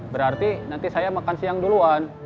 berarti nanti saya makan siang duluan